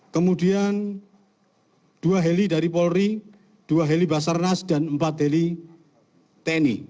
kemudian dua heli dari polri dua heli basarnas dan empat heli tni